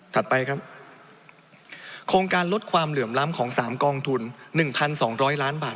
ไปครับโครงการลดความเหลื่อมล้ำของ๓กองทุน๑๒๐๐ล้านบาท